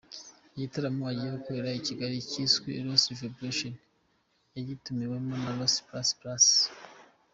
Igitaramo agiye gukorera i Kigali cyiswe ‘Rosty Vibration’, yagitumiwemo na Rosty Plus Plus.